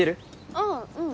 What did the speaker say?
あぁうん。